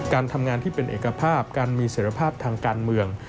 การทำงานที่เป็นเอกภาพการมีเสร็จภาพทางการเมือง